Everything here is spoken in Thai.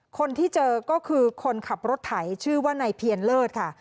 คนที่เจอก็คือคนขับรถไถชื่อว่านายเพียรเลิศค่ะ